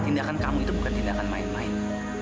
tindakan kamu itu bukan tindakan main main